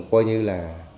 coi như là